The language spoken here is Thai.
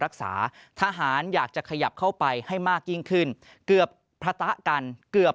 ทหารอยากจะขยับเข้าไปให้มากยิ่งขึ้นเกือบพระตะกันเกือบ